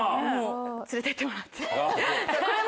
連れてってもらって。